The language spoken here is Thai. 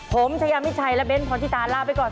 ผมชายามิชัยและเบ้นท์พร้อมที่ตาลาไปก่อน